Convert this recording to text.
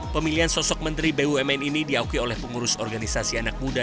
pemilihan sosok menteri bumn ini diakui oleh pengurus organisasi anak muda